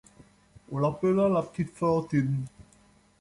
On l’appela la petite Fantine.